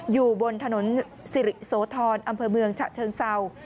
อยู่บนถนนสิริโสธรอำเภอเมืองฉะเชิงเศร้า